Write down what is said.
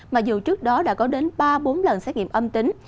mặc dù trước đó đã có đến ba bốn lần xét nghiệm âm tính